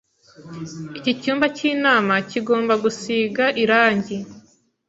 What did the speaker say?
Iki cyumba cyinama kigomba gusiga irangi.